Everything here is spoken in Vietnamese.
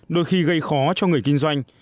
đôi khi gây khó cho người kinh doanh